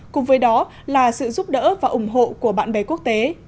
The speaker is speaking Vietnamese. cùng với đó là sự giúp đỡ và ủng hộ của bạn bè quốc tế